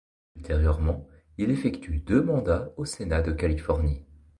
Ultérieurement il effectue deux mandats au sénat de Californie.